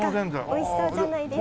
美味しそうじゃないですか？